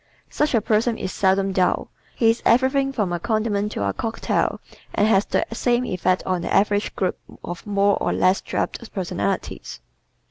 Such a person is seldom dull. He is everything from a condiment to a cocktail and has the same effect on the average group of more or less drab personalities.